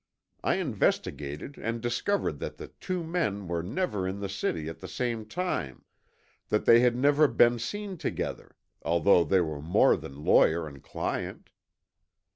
I investigated and discovered that the two men were never in the city at the same time, that they had never been seen together, although they were more than lawyer and client.